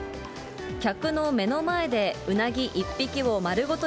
客の目の前でウナギ１匹を丸ごと